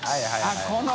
あっこの。